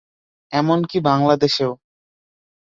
এমনকি বাংলাদেশেও।